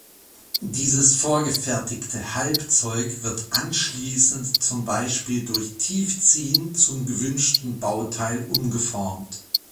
Dieses vorgefertigte Halbzeug wird anschließend zum Beispiel durch Tiefziehen zum gewünschten Bauteil umgeformt.